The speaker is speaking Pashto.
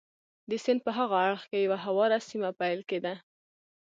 د سیند په هاغه اړخ کې یوه هواره سیمه پیل کېده.